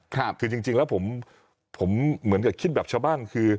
คือจริงแล้วผมเหมือนกับคิดแบบชาวบ้านคือ